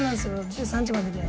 １３時までで。